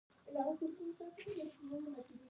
دځنګل حاصلات د افغانستان د جغرافیوي تنوع یو مثال دی.